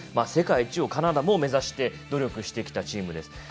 世界一をカナダも目指して努力してきたチームです。